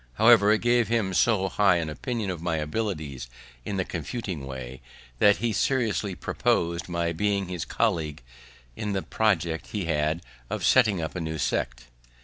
However, it gave him so high an opinion of my abilities in the confuting way, that he seriously proposed my being his colleague in a project he had of setting up a new sect.